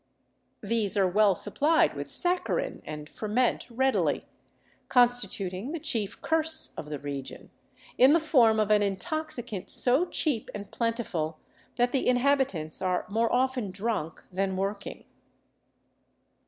These are well supplied with saccharine and ferment readily, constituting the chief curse of the region, in the form of an intoxicant so cheap and plentiful that the inhabitants are more often drunk than working.